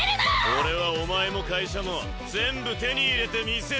俺はお前も会社も全部手に入れてみせるぞ。